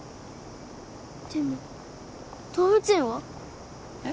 でも動物園は？え？